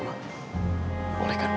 mak boleh kan